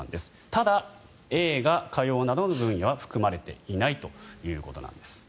ただ、映画、歌謡などの分野は含まれていないということです。